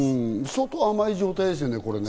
相当甘い状態ですよね。